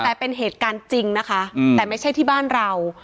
แต่เป็นเหตุการณ์จริงนะคะแต่ไม่ใช่ที่บ้านเรา